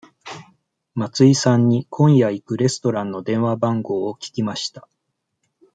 松井さんに今夜行くレストランの電話番号を聞きました。